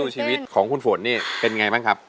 ชีวิตของคุณฝนนี่เป็นไงบ้างครับ